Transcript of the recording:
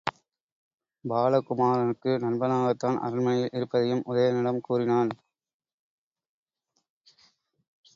பாலகுமரனுக்கு நண்பனாகத்தான் அரண்மனையில் இருப்பதையும் உதயணனிடம் கூறினான்.